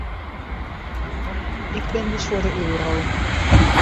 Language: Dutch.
Ik ben dus voor de euro.